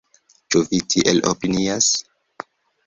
Ĉu vi tiel opinias?